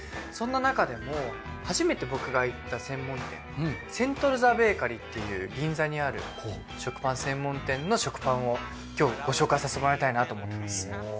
そんななかでも初めて僕が行った専門店セントルザ・ベーカリーっていう銀座にある食パン専門店の食パンを今日ご紹介させてもらいたいなと思ってます。